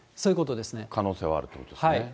可能性はあるってことですね。